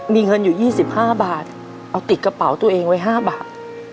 มีเงินอยู่๒๕บาทเอาติดกระเป๋าตัวเองไว้๕บาท